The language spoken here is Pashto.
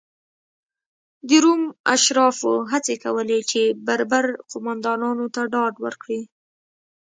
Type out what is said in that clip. د روم اشرافو هڅې کولې چې بربر قومندانانو ته ډاډ ورکړي.